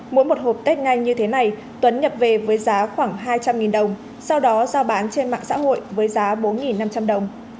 mỗi một hộp test nhanh như thế này tuấn nhập về với giá khoảng hai trăm linh đồng sau đó giao bán trên mạng xã hội với giá bốn năm trăm linh đồng